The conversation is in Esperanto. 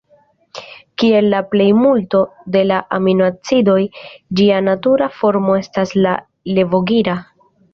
Kiel la plejmulto el la aminoacidoj, ĝia natura formo estas la levogira.